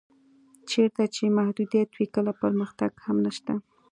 چېرته چې محدودیت وي کله پرمختګ هم نشته.